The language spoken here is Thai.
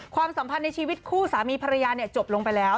ความสัมพันธ์ในชีวิตคู่สามีภรรยาจบลงไปแล้ว